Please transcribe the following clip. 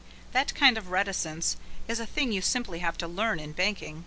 That kind of reticence is a thing you simply have to learn in banking.